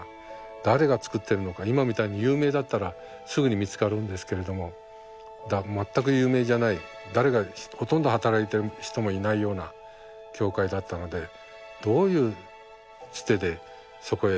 誰が作っているのか今みたいに有名だったらすぐに見つかるんですけれども全く有名じゃない誰がほとんど働いてる人もいないような教会だったのでどういうツテでそこへ仕事をすればいいのか。